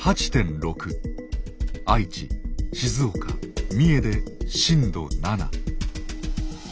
愛知静岡三重で震度７。